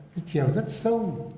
cái chiều rất sâu